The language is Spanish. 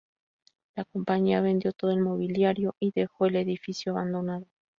La compañía vendió todo el mobiliario y dejó el edificio abandonado.